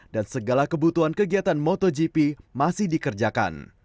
dan segala kebutuhan kegiatan motogp masih dikerjakan